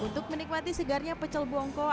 untuk menikmati segarnya pecel bongko